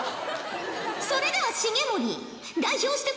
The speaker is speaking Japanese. それでは重盛代表して答えよ！